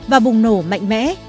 và bùng nổ mạnh mẽ